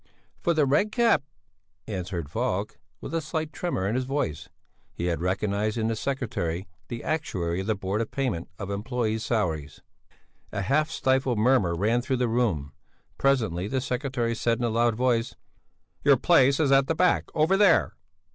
"For the Red Cap," answered Falk, with a slight tremor in his voice; he had recognized in the secretary the actuary of the Board of Payment of Employés' Salaries. A half stifled murmur ran through the room; presently the secretary said in a loud voice: "Your place is at the back, over there!"